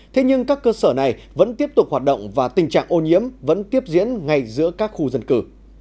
thế nhưng các cơ sở này vẫn tiếp tục hoạt động và tình trạng ô nhiễm vẫn tiếp diễn ngay giữa các khu dân cư